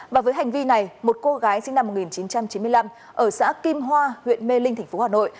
và với hành vi này một cô gái sinh năm một nghìn chín trăm chín mươi năm ở xã kim hoa huyện mê linh tp hà nội